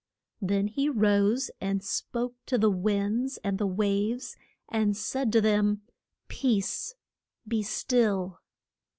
Then he rose and spoke to the winds and the waves, and said to them, Peace, be still.